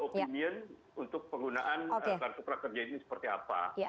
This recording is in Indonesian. opinion untuk penggunaan kartu prakerja ini seperti apa